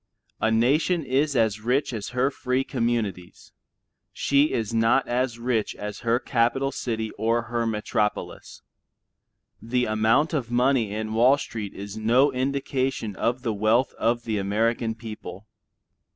A nation is as rich as her free communities; she is not as rich as her capital city or her metropolis. The amount of money in Wall Street is no indication of the wealth of the American people.